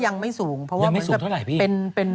ยังไม่สูงเท่าไหร่พี่